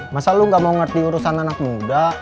masa lu gak mau ngerti urusan anak muda